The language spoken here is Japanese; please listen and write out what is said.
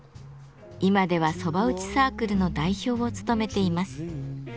今では蕎麦打ちサークルの代表を務めています。